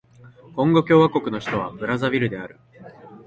コンゴ共和国の首都はブラザヴィルである